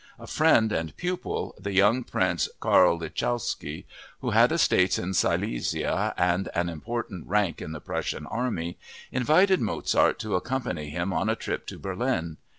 A friend and pupil, the young prince Carl Lichnowsky, who had estates in Silesia and an important rank in the Prussian army, invited Mozart to accompany him on a trip to Berlin.